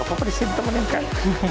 apa apa disini temenin kan